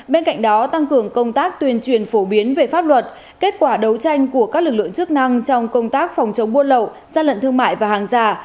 bên cạnh đó tăng cường công tác tuyên truyền phổ biến về pháp luật kết quả đấu tranh của các lực lượng chức năng trong công tác phòng chống buôn lậu gian lận thương mại và hàng giả